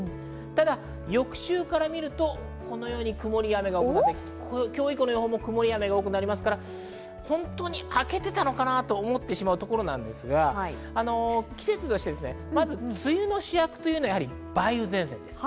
ただ翌週から見ると、このように曇りや雨が多くて今日以降の予報も曇りや雨が多くなって本当に明けていたのかな？と思ってしまうところなんですが季節、梅雨の主役というのは梅雨前線なんです。